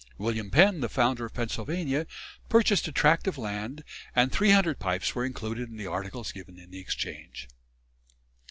William Penn, the founder of Pennsylvania, purchased a tract of land, and 300 pipes were included in the articles given in the exchange."